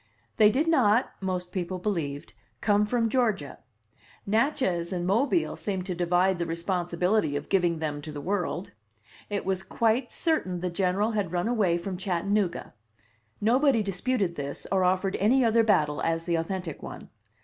They did not (most people believed) come from Georgia. Natchez and Mobile seemed to divide the responsibility of giving them to the world. It was quite certain the General had run away from Chattanooga. Nobody disputed this, or offered any other battle as the authentic one.